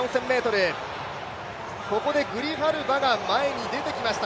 ここでグリハルバが前に出てきました、